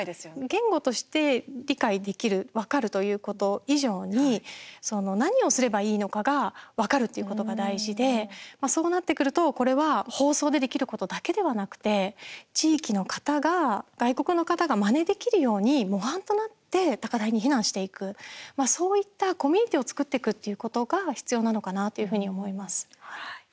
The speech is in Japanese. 言語として理解できる分かるということ以上に何をすればいいのかが分かるっていうことが大事でそうなってくるとこれは、放送でできることだけではなくて地域の方が、外国の方がまねできるように模範となって高台に避難していくそういったコミュニティーを作っていくということが必要なのかなというふうに思います。